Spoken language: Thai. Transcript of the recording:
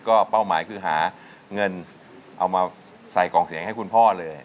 ก็เป้าหมายคือหาเงินเอามาใส่กล่องเสียงให้คุณพ่อเลย